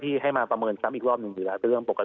ที่ให้มาประเมินซ้ำอีกรอบหนึ่งหรือลาเตื้อเรื่องปกติ